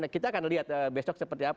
kita akan lihat besok seperti apa